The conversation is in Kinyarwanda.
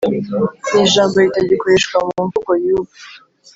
ni ijambo ritagikoreshwa mu mvugo y’ubu